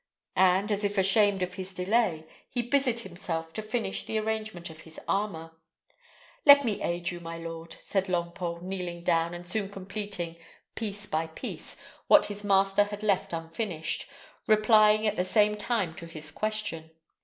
and, as if ashamed of his delay, he busied himself to finish the arrangement of his armour. "Let me aid you, my lord," said Longpole, kneeling down, and soon completing, piece by piece, what his master had left unfinished, replying at the same time to his question.